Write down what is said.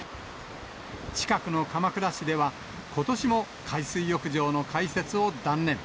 近くの鎌倉市では、ことしも海水浴場の開設を断念。